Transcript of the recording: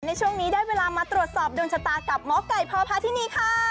ในช่วงนี้ได้เวลามาตรวจสอบยนต์ชะตากับมกัยภาวะพาทินี่ค่ะ